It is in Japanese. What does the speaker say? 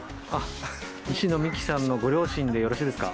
西野未姫さんのご両親でよろしいですか？